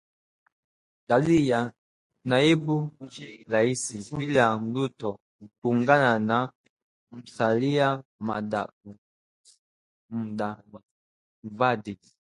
dalili ya naibu rais William Ruto kuungana na Musalia Mudavadi